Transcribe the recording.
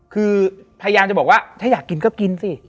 คือพยายามจะบอกว่าถ้าอยากกินก็กินสิ